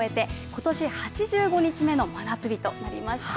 今年８５日目の真夏日となりました。